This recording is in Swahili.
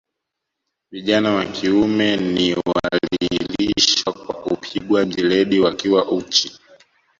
Vijana wa kiume ni walilishwa kwa kupigwa mijeledi wakiwa uchi